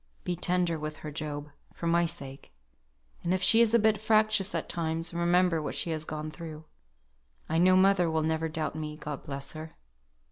Be tender with her, Job, for my sake; and if she is a bit fractious at times, remember what she has gone through. I know mother will never doubt me, God bless her.